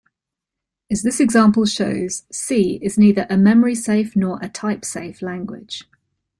As this example shows, C is neither a memory-safe nor a type-safe language.